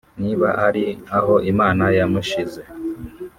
niba ari aho Imana yamushyize